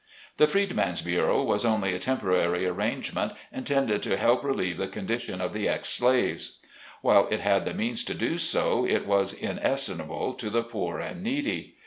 The Freedman's Bureau was only a temporary arrangement intended to help relieve the condition of the ex slaves. While it had the means to do so it was inestimable to the poor and needy.